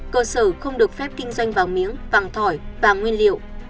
cơ sở không được phép kinh doanh vàng miếng vàng thỏi vàng nguyên liệu